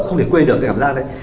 không thể quên được cái cảm giác đấy